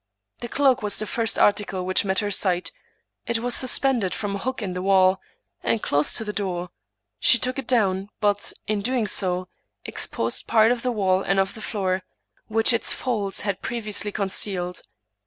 The cloak was the first article which met her sight ; it was suspended from a hook in the wall, and close to the door. She took it down, but, in doing so, exposed part of the wall and of the floor, which its folds had previously concealed.